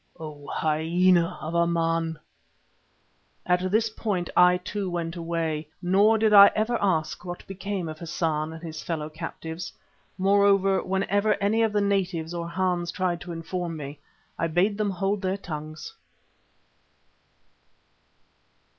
O Hyena of a man!" At this point I too went away, nor did I ever ask what became of Hassan and his fellow captives. Moreover, whenever any of the natives or Hans tried to inform me, I bade them hold their tongues.